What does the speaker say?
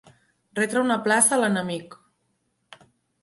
Retre una plaça a l'enemic.